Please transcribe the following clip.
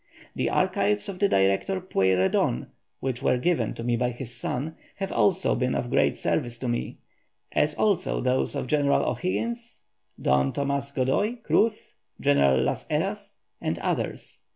The archives of the Director Pueyrredón, which were given to me by his son, have also been of great service to me, as also those of General O'Higgins, Don Tomás Godoy Cruz, General Las Heras, and others.